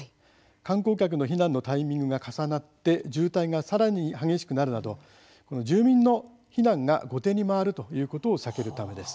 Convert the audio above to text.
観光客の避難のタイミングが重なって渋滞が、さらに激しくなるなど住民の避難が後手に回るということを避けるためです。